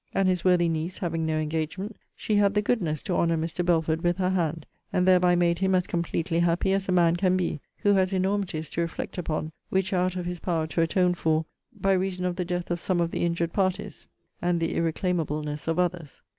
And his worthy niece having no engagement, she had the goodness to honour Mr. Belford with her hand; and thereby made him as completely happy as a man can be, who has enormities to reflect upon, which are out of his power to atone for, by reason of the death of some of the injured parties, and the irreclaimableness of others.